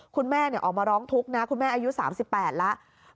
คุณแม่ออกมาร้องทุกข์นะคุณแม่อายุ๓๘แล้ว